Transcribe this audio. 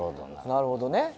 なるほどね。